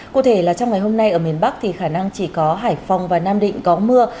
cụ thể là trong ngày hôm nay ở miền bắc thì khả năng chỉ có hải phòng và nam định có mưa